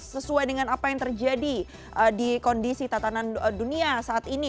sesuai dengan apa yang terjadi di kondisi tatanan dunia saat ini